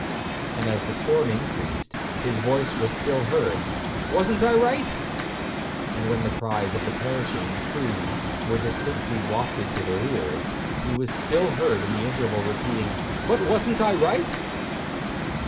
And as the storm increased, his voice was still heard, 'wasn't I right?' And when the cries of the perishing crew were distinctly wafted to their ears, he was still heard in the interval repeating, 'But wasn't I right?'